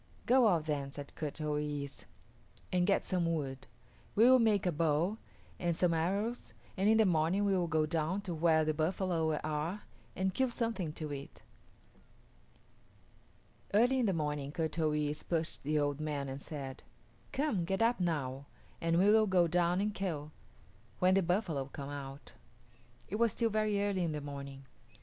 "Go out then," said Kut o yis´, "and get some wood. We will make a bow and some arrows, and in the morning we will go down to where the buffalo are and kill something to eat." Early in the morning Kut o yis´ pushed the old man and said, "Come, get up now, and we will go down and kill, when the buffalo come out." It was still very early in the morning.